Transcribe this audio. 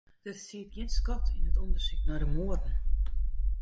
Der siet gjin skot yn it ûndersyk nei de moarden.